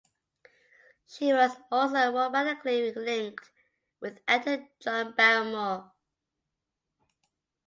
She was also romantically linked with actor John Barrymore.